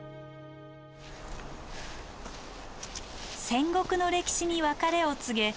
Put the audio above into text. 戦国の歴史に別れを告げ